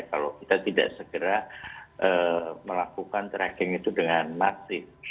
kalau kita tidak segera melakukan tracking itu dengan masif